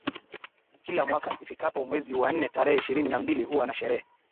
Kila mwaka ifikapo mwezi wa nne tarehe ishirini na mbili huwa na sherehe